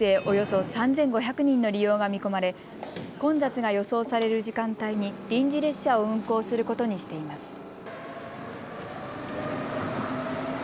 およそ３５００人の利用が見込まれ混雑が予想される時間帯に臨時列車を運行することにしています。